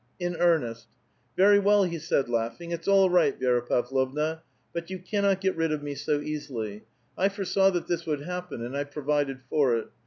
'' In earnest." *'Very well," he said laughing. "It's all right, Vi^ra Pavlovna, but you cannot get rid of me so easily ; I foresaw that this would hapi)eu and I provided for it.